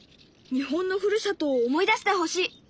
日本のふるさとを思い出してほしい。